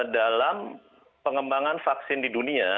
dalam pengembangan vaksin di dunia